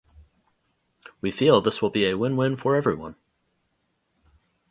We feel this will be a Win Win for everyone.